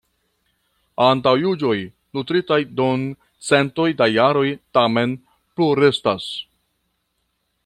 Antaŭjuĝoj nutritaj dum centoj da jaroj tamen plurestas.